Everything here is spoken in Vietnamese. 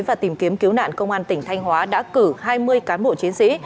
và tìm kiếm cứu nạn công an tỉnh thanh hóa đã cử hai mươi cán bộ chiến sĩ